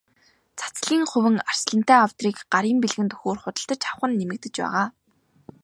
Цацлын хувин, арслантай авдрыг гарын бэлгэнд өгөхөөр худалдаж авах нь нэмэгдэж байгаа.